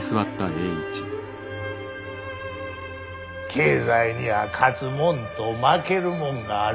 経済には勝つもんと負けるもんがある。